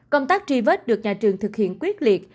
công tác truy vết được nhà trường thực hiện quyết liệt